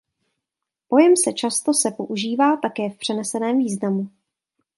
Pojem se často se používá také v přeneseném významu.